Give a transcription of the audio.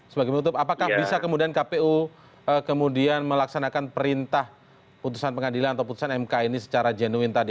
sebagai penutup apakah bisa kemudian kpu kemudian melaksanakan perintah putusan pengadilan atau putusan mk ini secara genuin tadi